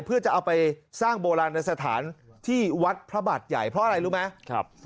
เพื่อจะเอาไปสร้างโบราณสถานที่วัดพระบาทใหญ่เพราะอะไรรู้ไหม